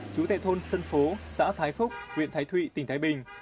chú tại thôn sân phố xã thái phúc huyện thái thụy tỉnh thái bình